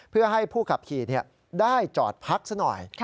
เพื่อให้ผู้ขับขี่ได้จอดพักซะหน่อย